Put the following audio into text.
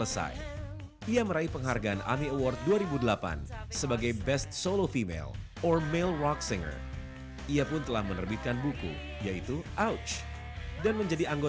saya pengen mati ini